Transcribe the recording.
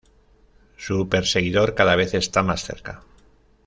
Su perseguidor cada vez está más cerca.